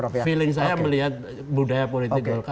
feeling saya melihat budaya politik golkar